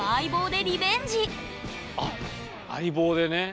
あっ相棒でね。